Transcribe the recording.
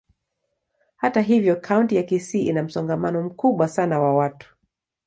Hata hivyo, kaunti ya Kisii ina msongamano mkubwa sana wa watu.